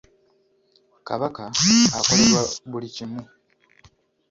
Kabaka akolerwa buli kimu.